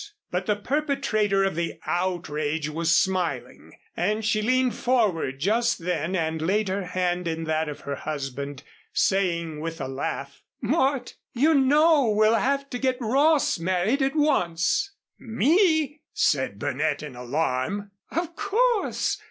But the perpetrator of the outrage was smiling, and she leaned forward just then and laid her hand in that of her husband, saying with a laugh, "Mort, you know we'll have to get Ross married at once." "Me?" said Burnett, in alarm. "Of course.